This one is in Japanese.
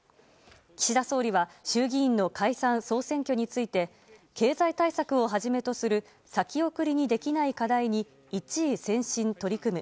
岸田総理は衆議院の解散・総選挙について経済対策をはじめとする先送りにできない課題に一意専心取り組む。